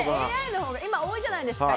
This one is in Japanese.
ＡＩのほうが今、多いじゃないですか。